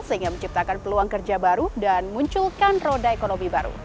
sehingga menciptakan peluang kerja baru dan munculkan roda ekonomi baru